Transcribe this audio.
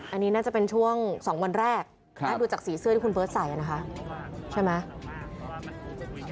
อันนี้น่าจะเป็นช่วง๒วันแรกดูจากสีเสื้อที่คุณเบิร์ตใส่นะคะใช่ไหม